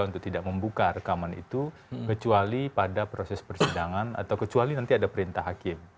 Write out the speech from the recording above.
untuk tidak membuka rekaman itu kecuali pada proses persidangan atau kecuali nanti ada perintah hakim